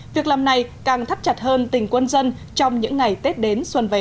việc làm này càng thắt chặt hơn tình quân dân trong những ngày tết đến xuân về